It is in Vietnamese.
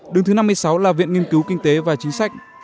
đứng thứ năm mươi sáu là viện nghiên cứu kinh tế và chính sách